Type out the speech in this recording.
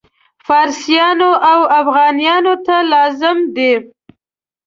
فارسیانو او افغانانو ته لازم دي.